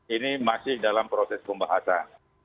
ini masih dalam proses pembahasan